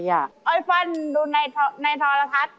อ้อยฟันดูในธรรมศาสตร์